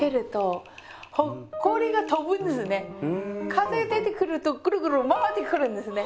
風出てくるとぐるぐる回ってくるんですね。